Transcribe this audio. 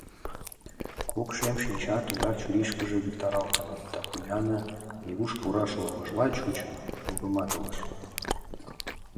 Кок шем шинча тугак чурийышкыже виктаралтыныт да Поллианна, нигуш пураш ормыжла чучын, мугыматылеш: